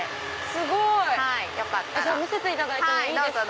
すごい！見せていただいてもいいですか？